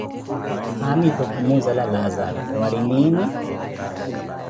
Haamitu khumuzela Laazaro, waari niini?